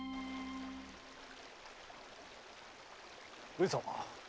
上様。